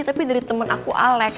tapi dari temen aku alex